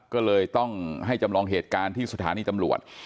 ก็เลยต้องให้จำลองเหตุการณ์ที่สถานีตำรวจ